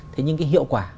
thế nhưng cái hiệu quả